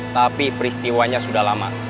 tapi peristiwanya sudah lama